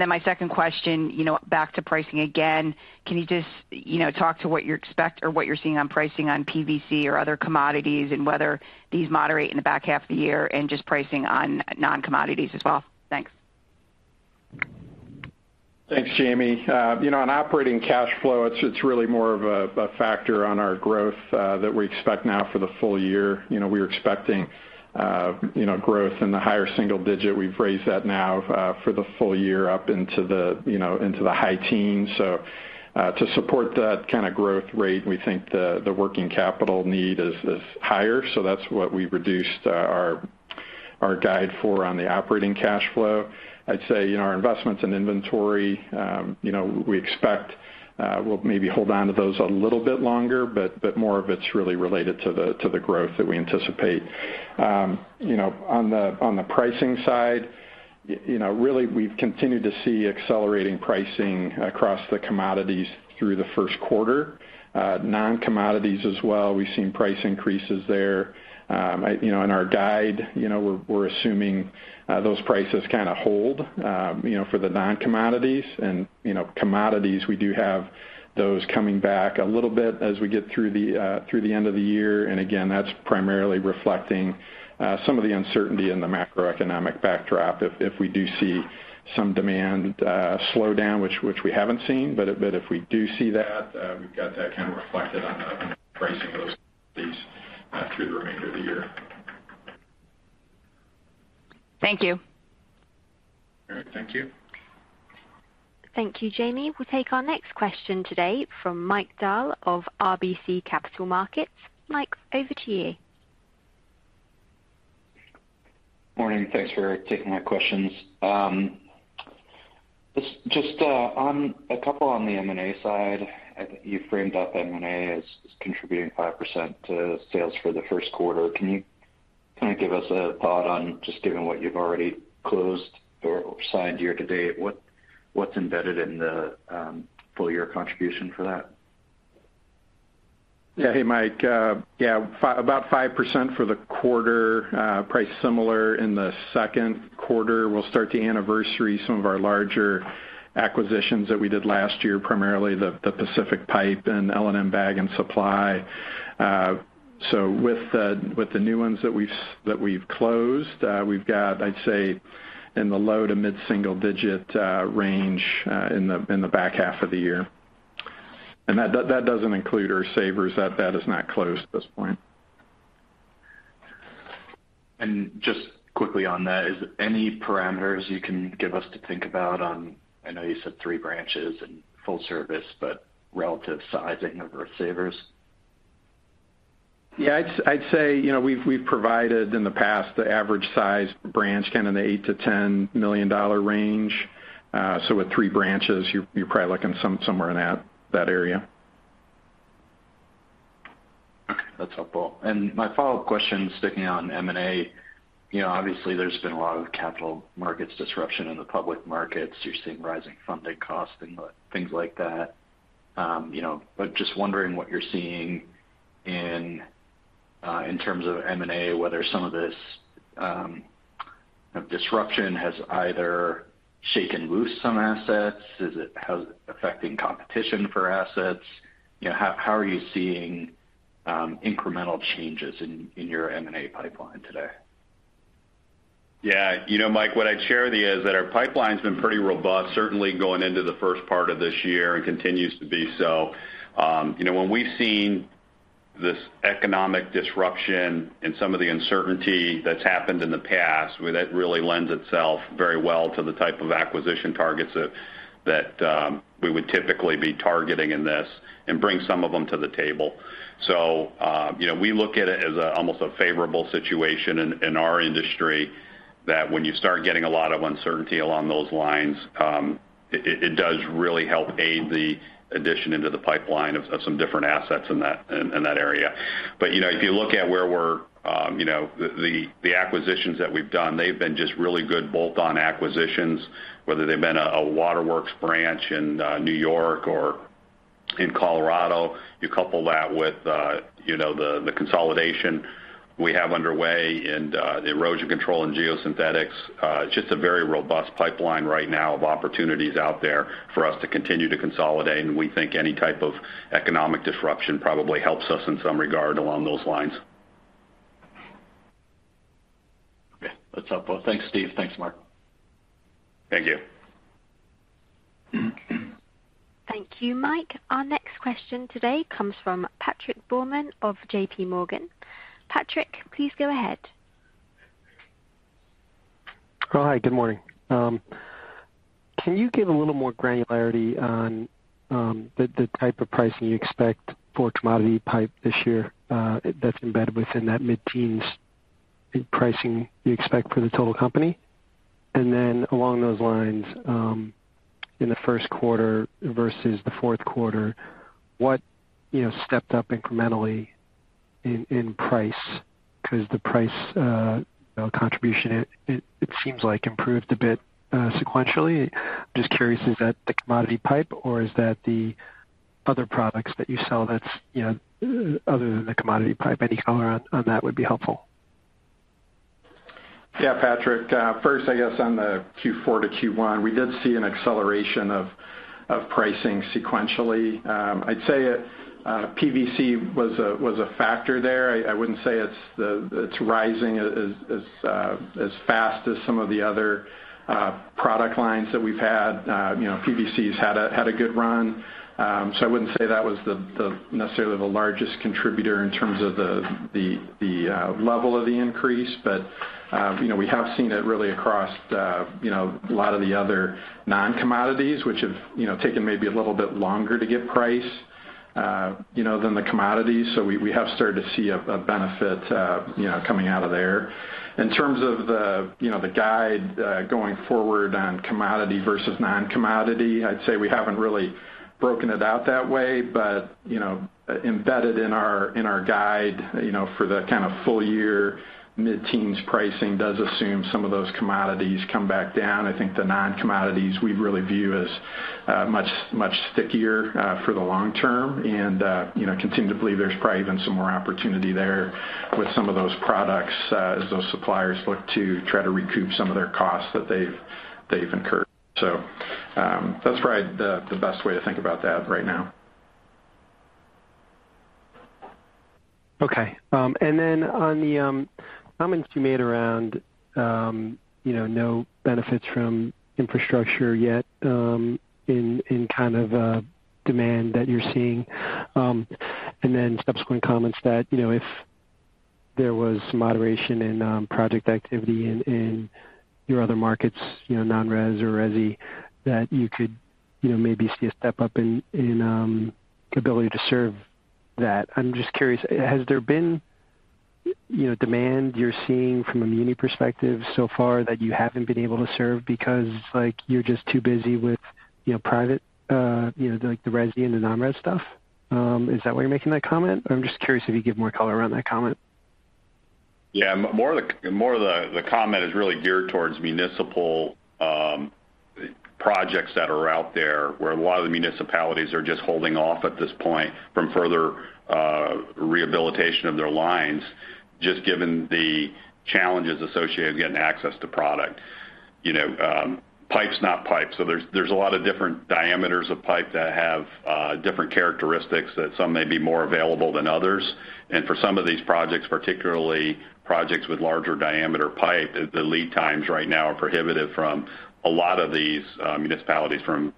Then my second question, you know, back to pricing again. Can you just, you know, talk to what you expect or what you're seeing on pricing on PVC or other commodities and whether these moderate in the back half of the year and just pricing on non-commodities as well? Thanks. Thanks, Jamie. You know, on operating cash flow it's really more of a factor on our growth that we expect now for the full year. You know, we were expecting you know, growth in the higher single digit. We've raised that now for the full year up into the you know, into the high teens. To support that kind of growth rate we think the working capital need is higher, so that's what we reduced our guide for on the operating cash flow. I'd say, you know, our investments in inventory, you know, we expect we'll maybe hold onto those a little bit longer but more of it's really related to the growth that we anticipate. You know, on the pricing side, you know, really we've continued to see accelerating pricing across the commodities through the first quarter. Non-commodities as well, we've seen price increases there. You know, in our guide, you know, we're assuming those prices kind of hold, you know, for the non-commodities and, you know, commodities we do have those coming back a little bit as we get through the end of the year. Again, that's primarily reflecting some of the uncertainty in the macroeconomic backdrop. If we do see some demand slow down which we haven't seen but if we do see that, we've got that kind of reflected on the pricing of those commodities through the remainder of the year. Thank you. All right. Thank you. Thank you, Jamie. We'll take our next question today from Mike Dahl of RBC Capital Markets. Mike, over to you. Morning, thanks for taking my questions. Just a couple on the M&A side. I think you framed up M&A as contributing 5% to sales for the first quarter. Can you kind of give us a thought on just given what you've already closed or signed year-to-date, what's embedded in the full-year contribution for that? Yeah. Hey, Mike. About 5% for the quarter, priced similar in the second quarter. We'll start to anniversary some of our larger acquisitions that we did last year, primarily the Pacific Pipe and L & M Bag & Supply. With the new ones that we've closed, we've got, I'd say, in the low- to mid-single-digit range in the back half of the year that doesn't include Earthsavers. That is not closed at this point. Just quickly on that, is any parameters you can give us to think about on, I know you said three branches and full service but relative sizing of Earthsavers? Yeah, I'd say, you know, we've provided in the past the average size branch kind of in the $8 million-$10 million range. With three branches, you're probably looking somewhere in that area. Okay, that's helpful. My follow-up question, sticking on M&A, you know, obviously there's been a lot of capital markets disruption in the public markets. You're seeing rising funding costs and things like that. You know, but just wondering what you're seeing in terms of M&A, whether some of this disruption has either shaken loose some assets? How's it affecting competition for assets? You know, how are you seeing incremental changes in your M&A pipeline today? Yeah. You know, Mike, what I'd share with you is that our pipeline's been pretty robust, certainly going into the first part of this year and continues to be so. You know, when we've seen this economic disruption and some of the uncertainty that's happened in the past, well, that really lends itself very well to the type of acquisition targets that we would typically be targeting in this and bring some of them to the table. We look at it as almost a favorable situation in our industry that when you start getting a lot of uncertainty along those lines, it does really help aid the addition into the pipeline of some different assets in that area. If you look at where we're, you know, the acquisitions that we've done, they've been just really good bolt-on acquisitions, whether they've been a Water Works branch in New York or in Colorado. You couple that with, you know, the consolidation we have underway in the erosion control and geosynthetics. It's just a very robust pipeline right now of opportunities out there for us to continue to consolidate. We think any type of economic disruption probably helps us in some regard along those lines. Okay, that's helpful. Thanks, Steve. Thanks, Mark. Thank you. Thank you, Mike. Our next question today comes from Patrick Baumann of JPMorgan. Patrick, please go ahead. Oh, hi. Good morning. Can you give a little more granularity on the type of pricing you expect for commodity pipe this year that's embedded within that mid-teens pricing you expect for the total company? And then along those lines, in the first quarter versus the fourth quarter, what, you know, stepped up incrementally in price? Because the price, you know, contribution, it seems like improved a bit sequentially. Just curious, is that the commodity pipe or is that the other products that you sell that's, you know, other than the commodity pipe? Any color on that would be helpful. Yeah, Patrick. First I guess on the Q4 to Q1, we did see an acceleration of pricing sequentially. I'd say PVC was a factor there. I wouldn't say it's rising as fast as some of the other product lines that we've had. You know, PVC has had a good run. So I wouldn't say that was necessarily the largest contributor in terms of the level of the increase. You know, we have seen it really across a lot of the other non-commodities which have taken maybe a little bit longer to get pricing than the commodities. So we have started to see a benefit coming out of there. In terms of the guide, you know, going forward on commodity versus non-commodity, I'd say we haven't really broken it out that way. You know, embedded in our guide, you know, for the kind of full year mid-teens pricing does assume some of those commodities come back down. I think the non-commodities we really view as much, much stickier for the long term. You know, continue to believe there's probably even some more opportunity there with some of those products as those suppliers look to try to recoup some of their costs that they've incurred. That's probably the best way to think about that right now. Okay. On the comments you made around, you know, no benefits from infrastructure yet, in kind of demand that you're seeing. Subsequent comments that, you know, if there was moderation in project activity in your other markets, you know, non-res or resi, that you could, you know, maybe see a step up in capability to serve. That I'm just curious, has there been, you know, demand you're seeing from a muni perspective so far that you haven't been able to serve because, like, you're just too busy with, you know, private, you know, like the resi and the non-res stuff? Is that why you're making that comment? I'm just curious if you could give more color around that comment. Yeah. The comment is really geared towards municipal projects that are out there, where a lot of the municipalities are just holding off at this point from further rehabilitation of their lines, just given the challenges associated with getting access to product. You know, pipe's not pipe, so there's a lot of different diameters of pipe that have different characteristics that some may be more available than others. For some of these projects, particularly projects with larger diameter pipe, the lead times right now are prohibitive from a lot of these municipalities from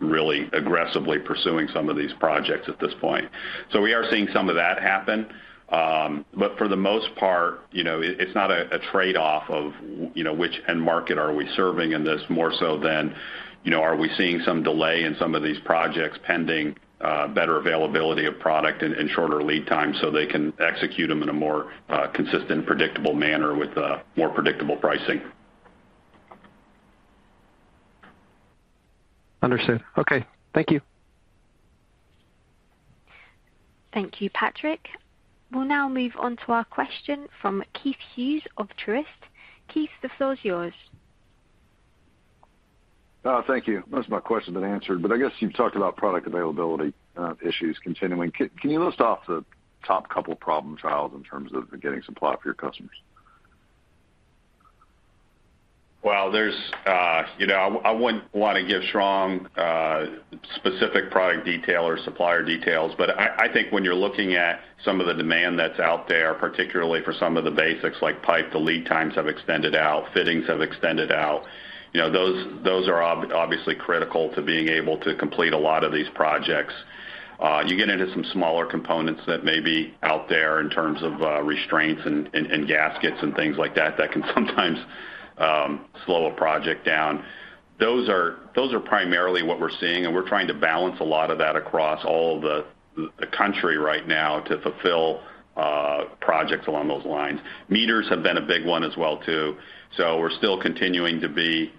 really aggressively pursuing some of these projects at this point. We are seeing some of that happen. For the most part, you know, it's not a trade-off of, you know, which end market are we serving in this more so than, you know, are we seeing some delay in some of these projects pending better availability of product and shorter lead time so they can execute them in a more consistent, predictable manner with more predictable pricing. Understood. Okay, thank you. Thank you, Patrick. We'll now move on to our question from Keith Hughes of Truist. Keith, the floor is yours. Thank you. Most of my question's been answered but I guess you've talked about product availability issues continuing. Can you list off the top couple problem areas in terms of getting supply for your customers? Well, there's, you know, I wouldn't want to give strong, specific product detail or supplier details. I think when you're looking at some of the demand that's out there, particularly for some of the basics like pipe, the lead times have extended out, fittings have extended out. You know, those are obviously critical to being able to complete a lot of these projects. You get into some smaller components that may be out there in terms of restraints and gaskets and things like that that can sometimes slow a project down. Those are primarily what we're seeing and we're trying to balance a lot of that across all the country right now to fulfill projects along those lines. Meters have been a big one as well too. We're still continuing to be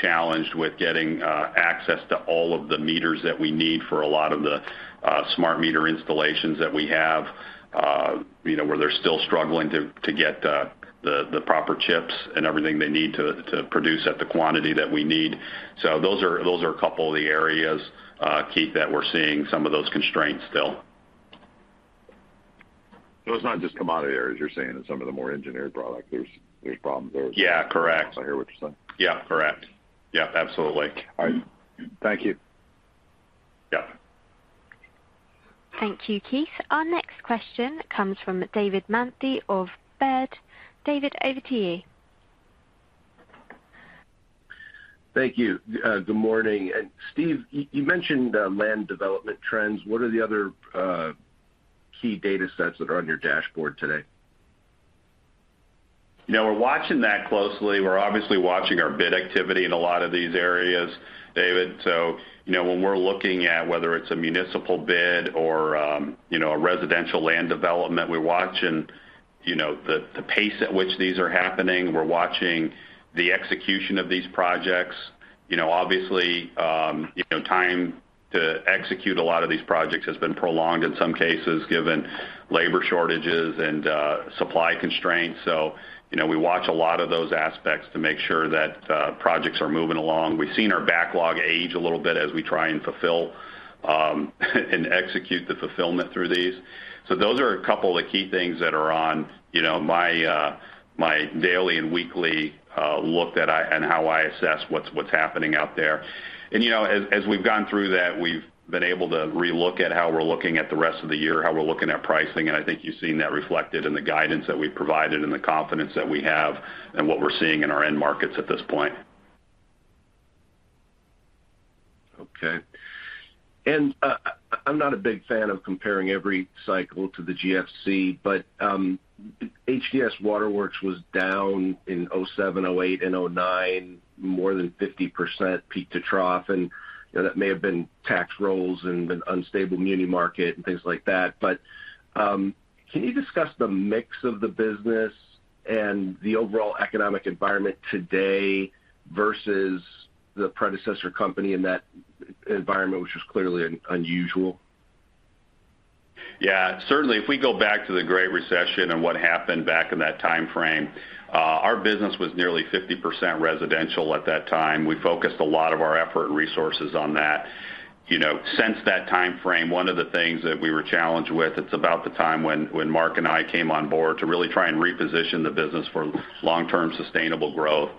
challenged with getting access to all of the meters that we need for a lot of the smart meter installations that we have, you know, where they're still struggling to get the proper chips and everything they need to produce at the quantity that we need. Those are a couple of the areas, Keith, that we're seeing some of those constraints still. It's not just commodity areas, you're saying that some of the more engineered products, there are problems there as well. Yeah, correct. I hear what you're saying. Yeah, correct. Yeah, absolutely. All right. Thank you. Yeah. Thank you, Keith. Our next question comes from David Manthey of Baird. David, over to you. Thank you. Good morning. Steve, you mentioned land development trends. What are the other key data sets that are on your dashboard today? You know, we're watching that closely. We're obviously watching our bid activity in a lot of these areas, David. You know, when we're looking at whether it's a municipal bid or, you know, a residential land development, we're watching, you know, the pace at which these are happening. We're watching the execution of these projects. You know, obviously, you know, time to execute a lot of these projects has been prolonged in some cases, given labor shortages and supply constraints. You know, we watch a lot of those aspects to make sure that projects are moving along. We've seen our backlog age a little bit as we try and fulfill and execute the fulfillment through these. Those are a couple of the key things that are on, you know, my daily and weekly look and how I assess what's happening out there. You know, as we've gone through that, we've been able to re-look at how we're looking at the rest of the year, how we're looking at pricing, and I think you've seen that reflected in the guidance that we've provided and the confidence that we have and what we're seeing in our end markets at this point. Okay. I'm not a big fan of comparing every cycle to the GFC but HD Supply Waterw Works was down in 2007, 2008 and 2009, more than 50% peak to trough. You know, that may have been tax rolls and an unstable muni market and things like that. Can you discuss the mix of the business and the overall economic environment today versus the predecessor company in that environment, which was clearly unusual? Yeah. Certainly if we go back to the Great Recession and what happened back in that time frame, our business was nearly 50% residential at that time. We focused a lot of our effort and resources on that. You know, since that time frame, one of the things that we were challenged with. It's about the time when Mark and I came on board to really try and reposition the business for long-term sustainable growth.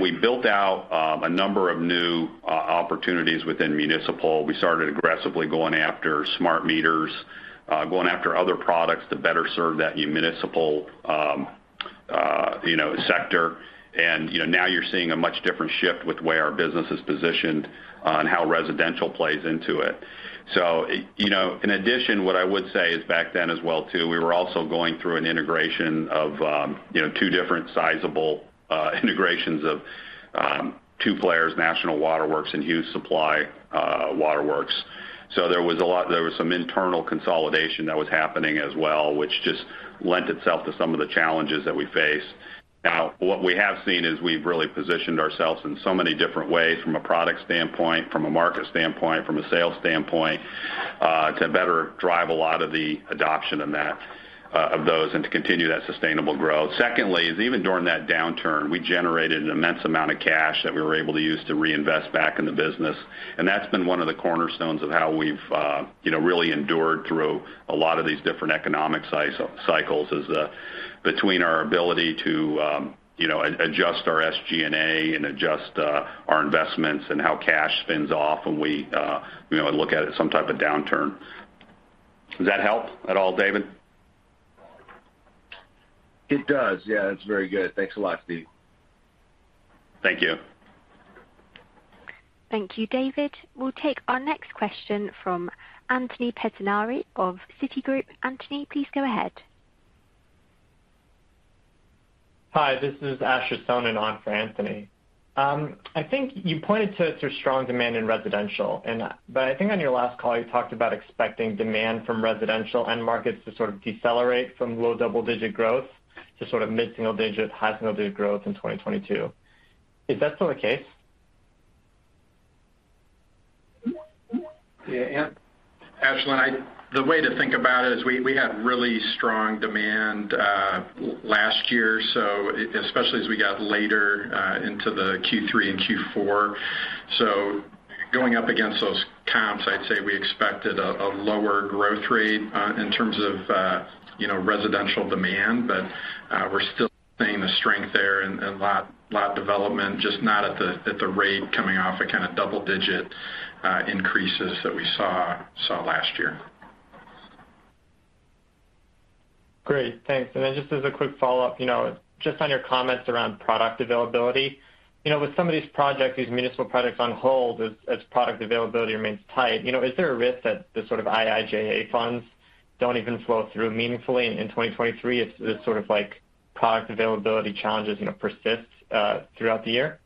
We built out a number of new opportunities within municipal. We started aggressively going after smart meters, going after other products to better serve that municipal, you know, sector. You know, now you're seeing a much different shift with the way our business is positioned on how residential plays into it. You know, in addition, what I would say is back then as well, too, we were also going through an integration of, you know, two different sizable integrations of two players, National Water Works and Hughes Supply Water Works. There was some internal consolidation that was happening as well, which just lent itself to some of the challenges that we face. Now, what we have seen is we've really positioned ourselves in so many different ways from a product standpoint, from a market standpoint, from a sales standpoint, to better drive a lot of the adoption in that, of those and to continue that sustainable growth. Secondly is even during that downturn, we generated an immense amount of cash that we were able to use to reinvest back in the business. That's been one of the cornerstones of how we've, you know, really endured through a lot of these different economic cycles, is between our ability to, you know, adjust our SG&A and adjust our investments and how cash spins off when we, you know, look at some type of downturn. Does that help at all, David? It does. Yeah, that's very good. Thanks a lot, Steve. Thank you. Thank you, David. We'll take our next question from Anthony Pettinari of Citigroup. Anthony, please go ahead. Hi, this is Asher Sohnen in for Anthony. I think you pointed to strong demand in residential but I think on your last call, you talked about expecting demand from residential end markets to sort of decelerate from low double-digit growth to sort of mid-single digit, high single digit growth in 2022. Is that still the case? Yeah, Asher, the way to think about it is we had really strong demand last year, so especially as we got later into the Q3 and Q4. Going up against those comps, I'd say we expected a lower growth rate in terms of you know, residential demand. We're still seeing the strength there in lot development, just not at the rate coming off a kind of double digit increases that we saw last year. Great, thanks. Just as a quick follow-up, you know, just on your comments around product availability. You know, with some of these projects, these municipal projects on hold as product availability remains tight, you know, is there a risk that the sort of IIJA funds don't even flow through meaningfully in 2023 if this sort of, like, product availability challenges, you know, persist throughout the year?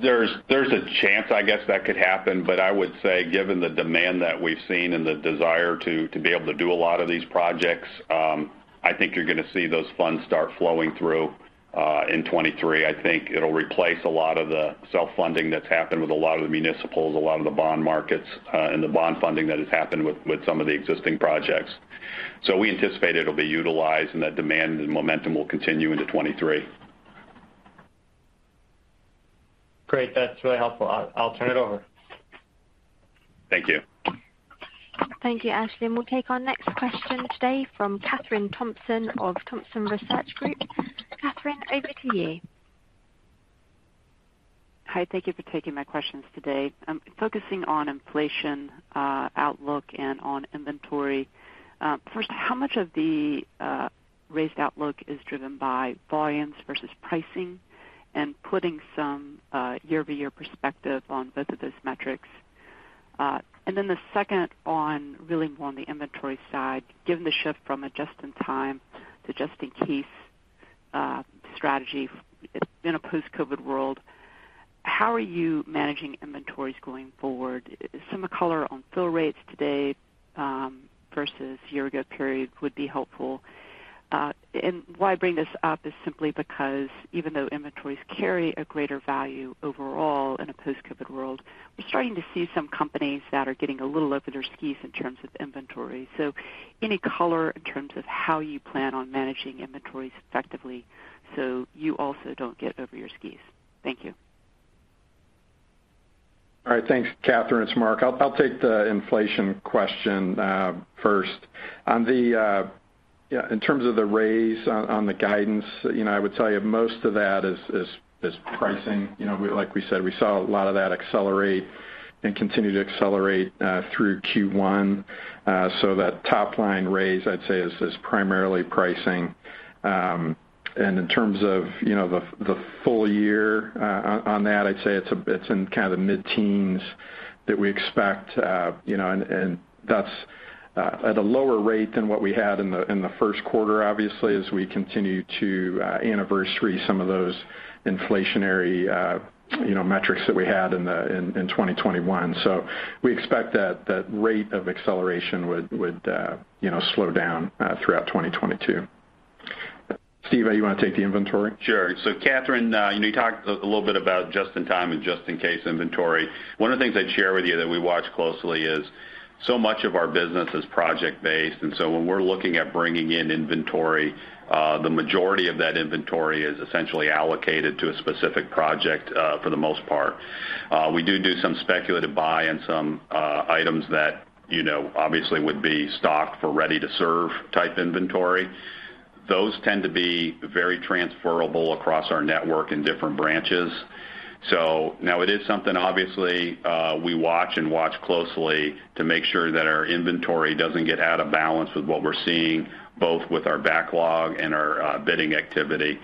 There's a chance, I guess, that could happen. I would say, given the demand that we've seen and the desire to be able to do a lot of these projects, I think you're gonna see those funds start flowing through in 2023. I think it'll replace a lot of the self-funding that's happened with a lot of the municipals, a lot of the bond markets and the bond funding that has happened with some of the existing projects. We anticipate it'll be utilized and that demand and momentum will continue into 2023. Great. that's really helpful. I'll turn it over. Thank you. Thank you, Asher. We'll take our next question today from Kathryn Thompson of Thompson Research Group. Kathryn, over to you. Hi, thank you for taking my questions today. I'm focusing on inflation outlook and on inventory. First, how much of the raised outlook is driven by volumes versus pricing and putting some year-over-year perspective on both of those metrics? Then the second, really more on the inventory side, given the shift from a just-in-time to just-in-case strategy in a post-COVID world, how are you managing inventories going forward? Some color on fill rates today versus year-ago period would be helpful. Why I bring this up is simply because even though inventories carry a greater value overall in a post-COVID world, we're starting to see some companies that are getting a little over their skis in terms of inventory. Any color in terms of how you plan on managing inventories effectively so you also don't get over your skis. Thank you. All right. Thanks, Kathryn. It's Mark. I'll take the inflation question first. On the yeah, in terms of the raise on the guidance, you know, I would tell you most of that is pricing. You know, like we said, we saw a lot of that accelerate and continue to accelerate through Q1. So that top line raise, I'd say is primarily pricing. And in terms of the full year on that, I'd say it's in kind of the mid-teens that we expect. You know, and that's at a lower rate than what we had in the first quarter, obviously, as we continue to anniversary some of those inflationary metrics that we had in 2021. We expect that rate of acceleration would slow down throughout 2022. Steve, you want to take the inventory? Sure. Kathryn, you talked a little bit about just-in-time and just-in-case inventory. One of the things I'd share with you that we watch closely is so much of our business is project-based and so when we're looking at bringing in inventory, the majority of that inventory is essentially allocated to a specific project, for the most part. We do some speculative buy and some items that obviously would be stocked for ready-to-serve type inventory. Those tend to be very transferable across our network in different branches. Now it is something obviously we watch closely to make sure that our inventory doesn't get out of balance with what we're seeing both with our backlog and our bidding activity.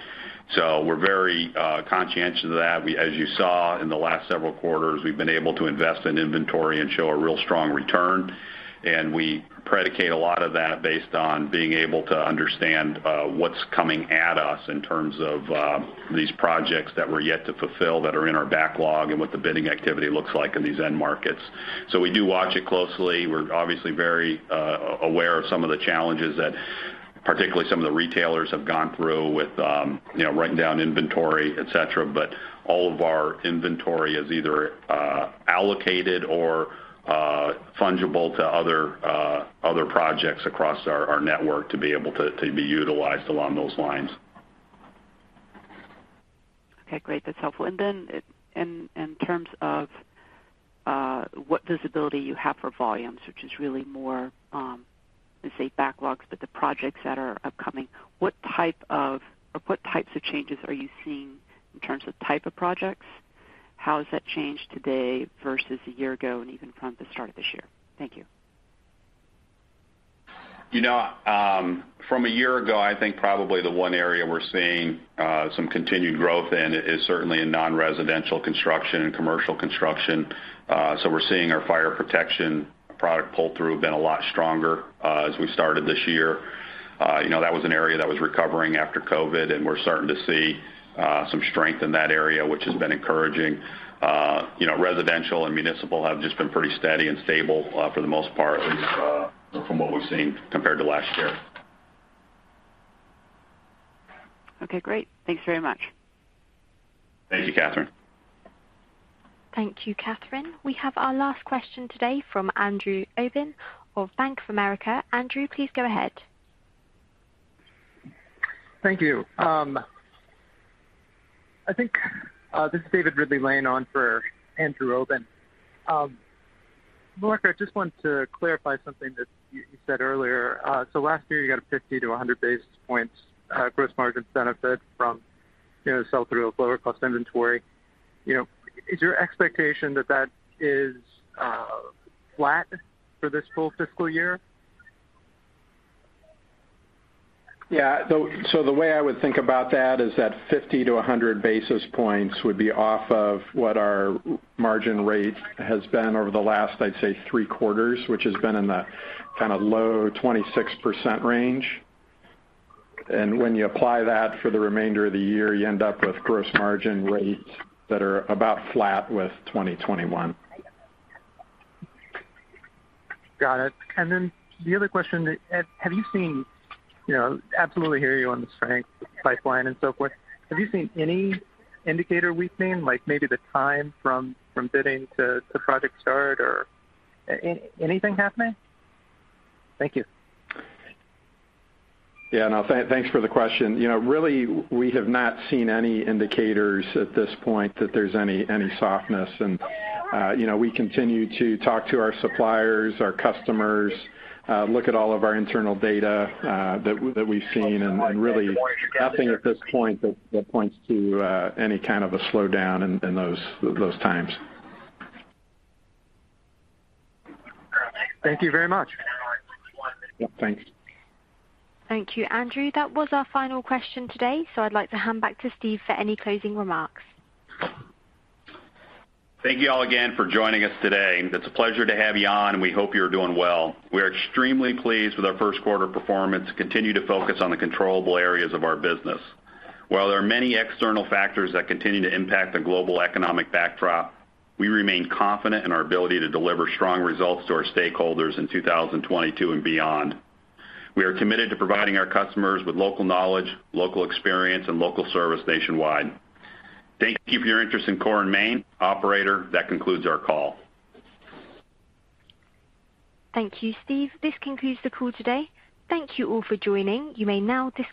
We're very conscientious of that. We, as you saw in the last several quarters, we've been able to invest in inventory and show a real strong return, and we predicate a lot of that based on being able to understand what's coming at us in terms of these projects that we're yet to fulfill that are in our backlog and what the bidding activity looks like in these end markets. We do watch it closely. We're obviously very aware of some of the challenges that particularly some of the retailers have gone through with, you know, writing down inventory, etc. but all of our inventory is either allocated or fungible to other projects across our network to be able to be utilized along those lines. Okay, great. That's helpful. In terms of what visibility you have for volumes which is really more, let's say backlogs but the projects that are upcoming, what types of changes are you seeing in terms of type of projects? How has that changed today versus a year ago and even from the start of this year? Thank you. You know, from a year ago, I think probably the one area we're seeing some continued growth and is certainly in non-residential construction and commercial construction. We're seeing our fire protection product pull-through been a lot stronger, as we started this year. You know, that was an area that was recovering after COVID and we're starting to see some strength in that area which has been encouraging. You know, residential and municipal have just been pretty steady and stable, for the most part, at least, from what we've seen compared to last year. Okay, great. Thanks very much. Thank you, Kathryn. Thank you, Kathryn. We have our last question today from Andrew Obin of Bank of America. Andrew, please go ahead. Thank you. I think this is David Ridley-Lane calling in for Andrew Obin. Mark, I just want to clarify something that you said earlier. Last year, you got a 50-100 basis points gross margins benefit from, you know, sell through a lower cost inventory. You know, is your expectation that is flat for this full fiscal year? Yeah. The way I would think about that is that 50-100 basis points would be off of what our margin rate has been over the last, I'd say three quarters which has been in the kind of low 26% range. When you apply that for the remainder of the year, you end up with gross margin rates that are about flat with 2021. Got it. The other question. You know, absolutely hear you on the strength pipeline and so forth. Have you seen any indicator weakness like maybe the time from bidding to project start or anything happening? Thank you. Yeah. No, thanks for the question. You know, really, we have not seen any indicators at this point that there's any softness. You know, we continue to talk to our suppliers, our customers, look at all of our internal data that we've seen and really nothing at this point that points to any kind of a slowdown in those times. Thank you very much. Yep, thanks. Thank you, Andrew. That was our final question today. I'd like to hand back to Steve for any closing remarks. Thank you all again for joining us today. It's a pleasure to have you on and we hope you're doing well. We are extremely pleased with our first quarter performance and continue to focus on the controllable areas of our business. While there are many external factors that continue to impact the global economic backdrop, we remain confident in our ability to deliver strong results to our stakeholders in 2022 and beyond. We are committed to providing our customers with local knowledge, local experience and local service nationwide. Thank you for your interest in Core & Main. Operator, that concludes our call. Thank you, Steve. This concludes the call today. Thank you all for joining. You may now disconnect.